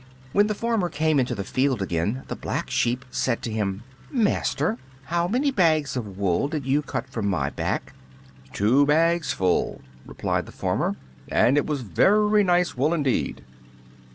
When the farmer came into the field again the Black Sheep said to him, "Master, how many bags of wool did you cut from my back?" "Two bags full," replied the farmer; "and it was very nice wool indeed."